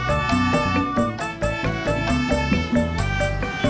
aku tuh cuma bercanda